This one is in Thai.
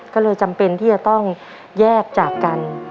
ก็เลยจำเป็นที่จะต้องแยกจากกัน